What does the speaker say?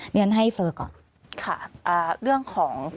เรียนให้เฟ้อก่อน